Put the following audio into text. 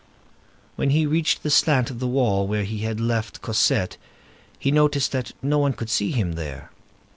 When he reached the slant of the wall where he had left Cosette, he noticed that no one could see him there.